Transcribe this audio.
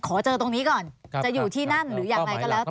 ขอเจอตรงนี้ก่อนจะอยู่ที่นั่นหรืออย่างไรก็แล้วแต่